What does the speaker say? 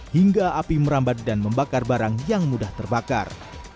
hingga api merambat dan membakar barang yang mudah terbakar